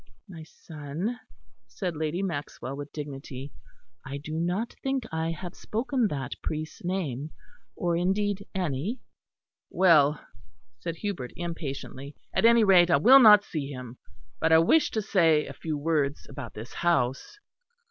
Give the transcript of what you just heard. "My son," said Lady Maxwell with dignity, "I do not think I have spoken that priest's name; or indeed any." "Well," said Hubert, impatiently, "at any rate I will not see him. But I wish to say a few words about this house.